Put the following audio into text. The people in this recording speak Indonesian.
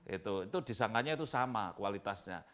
itu disangkanya itu sama kualitasnya